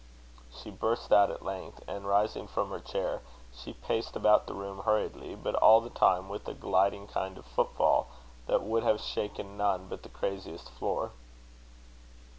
she burst out at length; and, rising from her chair, she paced about the room hurriedly, but all the time with a gliding kind of footfall, that would have shaken none but the craziest floor.